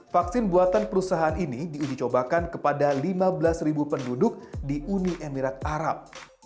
vaksin buatan perusahaan ini diuji cobakan kepada lima belas penduduk di uni emirat arab